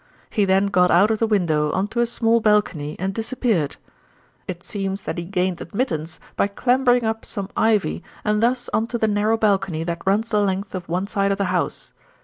He then got out of the window on to a small balcony and disappeared. It seems that he gained admittance by clambering up some ivy and thus on to the narrow balcony that runs the length of one side of the house.